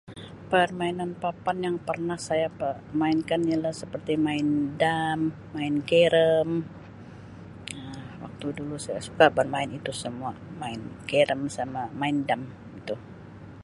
Permainan papan yang pernah saya [unintelligible] mainkan ialah seperti main dam, main carrom Um waktu dulu saya suka bermain itu semua, main carrom sama main dam itu.